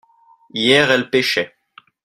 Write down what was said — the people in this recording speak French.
hier elles pêchaient.